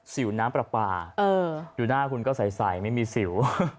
สิวน้ำปลาปลาเอออยู่หน้าคุณก็ใส่ใส่ไม่มีสิว